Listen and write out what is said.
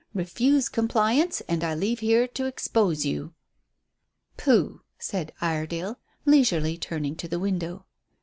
Refuse compliance, and I leave here to expose you." "Pooh," said Iredale, leisurely turning to the window.